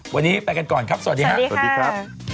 วันนี้ไปกันก่อนครับสวัสดีค่ะ